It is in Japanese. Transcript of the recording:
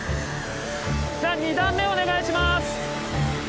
じゃあ２段目お願いします！